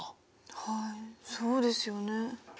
はいそうですよね。